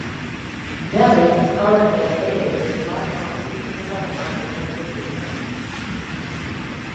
Belize is currently located within the Guatemala City Guatemala Temple District.